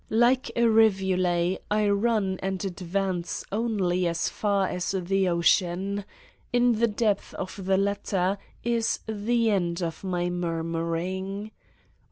Like a rivulet I run and advance only as far as the ocean : in the depths of the latter is the end of my murmuring.